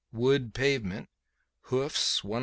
Wood pavement. Hoofs 104.